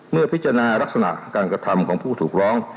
เมื่อพิจารณาลักษณะของการกระทำของผู้ถูกร้อง